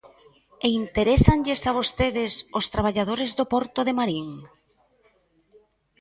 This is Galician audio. E ¿interésanlles a vostedes os traballadores do porto de Marín?